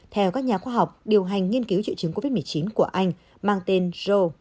theo các nhà khoa học điều hành nghiên cứu triệu chứng covid một mươi chín của anh mang tên joe